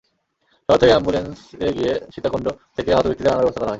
শহর থেকে অ্যাম্বুলেন্স গিয়ে সীতাকুণ্ড থেকে আহত ব্যক্তিদের আনার ব্যবস্থা করা হয়।